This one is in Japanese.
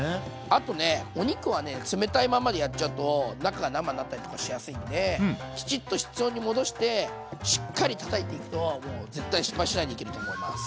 あとねお肉はね冷たいままでやっちゃうと中が生になったりとかしやすいのできちっと室温に戻してしっかりたたいていくともう絶対失敗しないでいけると思います。